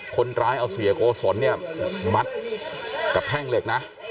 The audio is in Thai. คนร้ายเอาเสียโกศลเนี่ยมัดกับแท่งเหล็กนะ